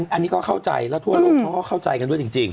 อันนี้ก็เข้าใจแล้วทั่วโลกเขาก็เข้าใจกันด้วยจริง